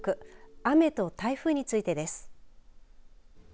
雨と台風についてです。